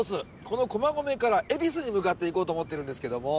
この駒込から恵比寿に向かって行こうと思っているんですけども。